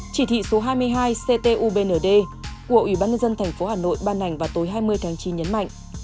chỉ thị số hai mươi hai ctubnd của ủy ban dân thành phố hà nội ban ảnh vào tối hai mươi tháng chín nhấn mạnh